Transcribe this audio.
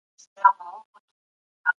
سرمایه داري د مال ډېرول دي.